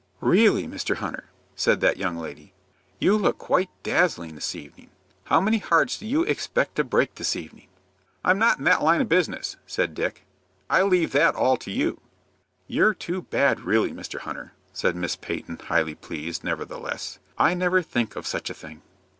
"Really, Mr. Hunter," said that young lady, "you look quite dazzling this evening. How many hearts do you expect to break this evening?" "I'm not in that line of business," said Dick. "I leave all that to you." "You're too bad, really, Mr. Hunter," said Miss Peyton, highly pleased, nevertheless. "I never think of such a thing."